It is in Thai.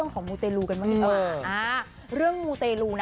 ของมุเตลูกันบ้างดีค่ะ